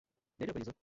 Nejde o peníze.